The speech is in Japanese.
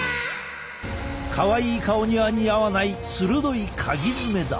かわいい顔には似合わない鋭いかぎ爪だ！